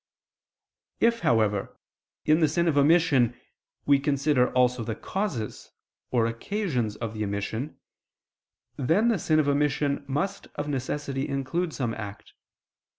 If, however, in the sin of omission, we consider also the causes, or occasions of the omission, then the sin of omission must of necessity include some act.